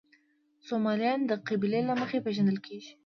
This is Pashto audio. سومالیان د قبیلې له مخې پېژندل کېږي.